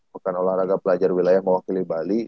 bukan olahraga pelajar wilayah mau pilih bali